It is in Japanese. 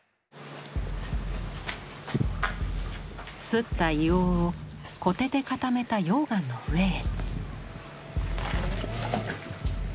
すった硫黄をコテで固めた溶岩の上へ。